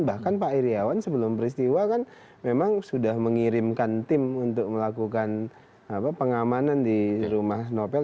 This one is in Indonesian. bahkan pak iryawan sebelum peristiwa kan memang sudah mengirimkan tim untuk melakukan pengamanan di rumah novel